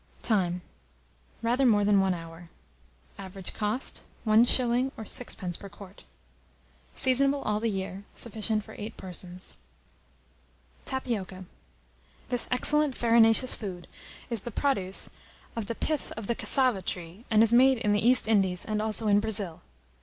Time. Rather more than 1 hour. Average cost. 1s. or 6d. per quart. Seasonable all the year. Sufficient for 8 persons. TAPIOCA. This excellent farinaceous food is the produce of the pith of the cassava tree, and is made in the East Indies, and also in Brazil.